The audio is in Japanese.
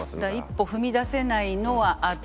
一歩踏み出せないのはあって。